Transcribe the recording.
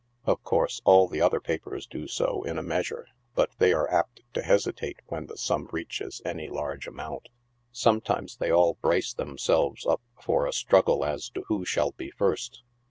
Of course, all the other papers do so in a measure, but they are apt to hesitate when the sum reaches any large amount. Sometimes they all brace themselves up for a straggle as to who shall be first.